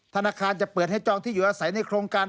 ธนาคารจะเปิดให้จองที่อยู่อาศัยในโครงการ